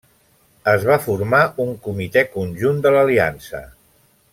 Es va formar un comitè conjunt de l'aliança.